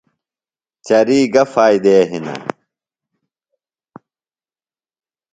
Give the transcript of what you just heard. چریۡ گہ فائدے ہِنہ؟